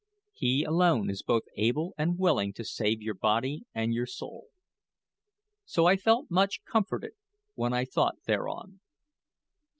He alone is both able and willing to save your body and your soul." So I felt much comforted when I thought thereon.